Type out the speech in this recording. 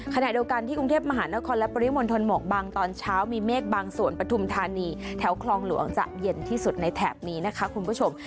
ขณะเดียวกันที่กรุงเทพมหานครและปริมณฑลหมอกบางตอนเช้ามีเมฆบางส่วนปฐุมธานีแถวคลองหลวงจะเย็นที่สุดในแถบนี้นะคะคุณผู้ชม